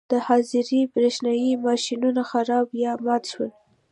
د حاضرۍ برېښنايي ماشینونه خراب یا مات شول.